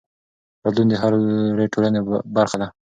بدلون د هرې ټولنې برخه ده.